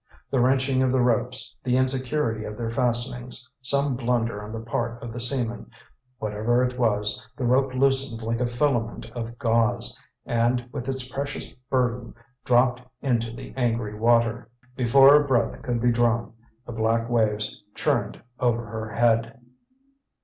The wrenching of the ropes, the insecurity of their fastenings, some blunder on the part of the seamen whatever it was, the rope loosened like a filament of gauze, and, with its precious burden, dropped into the angry water. Before a breath could be drawn, the black waves churned over her head.